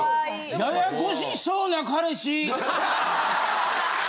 ややこしそうな彼氏！